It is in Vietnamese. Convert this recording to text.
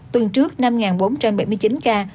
tuần trước năm bốn trăm bảy mươi chín ca